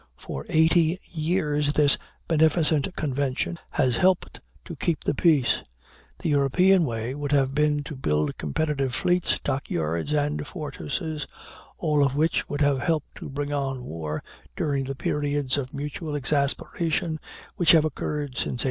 For eighty years this beneficent convention has helped to keep the peace. The European way would have been to build competitive fleets, dock yards, and fortresses, all of which would have helped to bring on war during the periods of mutual exasperation which have occurred since 1817.